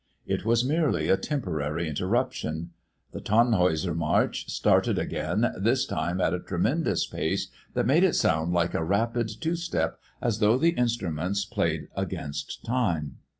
It was merely a temporary interruption. The Tannhäuser March started again, this time at a tremendous pace that made it sound like a rapid two step as though the instruments played against time.